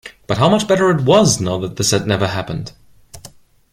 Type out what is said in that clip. But how much better it was now that this had never happened!